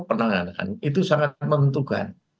penanganan itu sangat menentukan